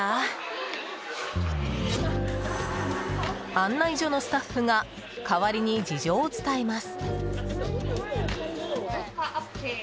案内所のスタッフが代わりに事情を伝えます。